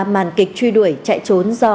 màn kịch truy đuổi chạy trốn do